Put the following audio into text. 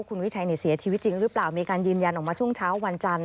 คุณวิชัยเสียชีวิตจริงหรือเปล่ามีการยืนยันออกมาช่วงเช้าวันจันทร์